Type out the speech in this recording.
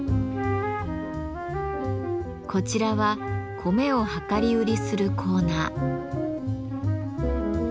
こちらは米を量り売りするコーナー。